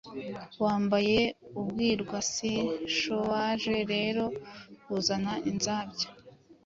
wambaye ibirwanishowaje rero kuzana inzabya